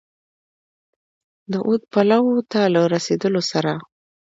د اود پولو ته له رسېدلو سره.